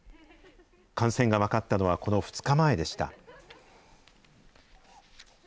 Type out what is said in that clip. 感染が分かったのは、この２日前でした。